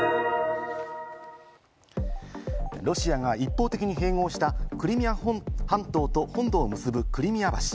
ロシアが一方的に併合したクリミア半島と本土を結ぶクリミア橋。